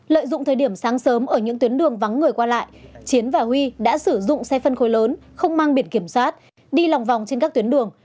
lợi dụng thời điểm sáng sớm ở những tuyến đường vắng người qua lại chiến và huy đã sử dụng xe phân khối lớn không mang biển kiểm soát đi lòng vòng trên các tuyến đường